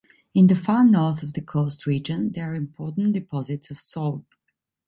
In the far north of the coast region, there are important deposits of salt.